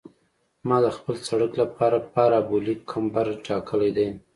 ما د خپل سرک لپاره پارابولیک کمبر ټاکلی دی